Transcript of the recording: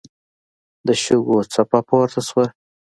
د شګو څپه پورته شوه.